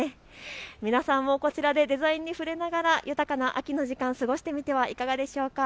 皆さんもこちらでデザインに触れながら豊かな秋の時間、過ごしてみてはいかがでしょうか。